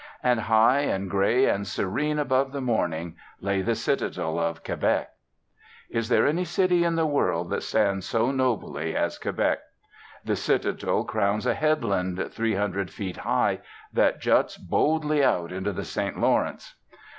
And high and grey and serene above the morning lay the citadel of Quebec. Is there any city in the world that stands so nobly as Quebec? The citadel crowns a headland, three hundred feet high, that juts boldly out into the St Lawrence.